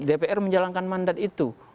dpr menjalankan mandat itu